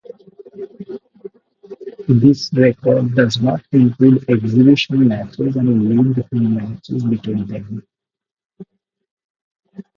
This record doesn't include exhibition matches and league matches between them.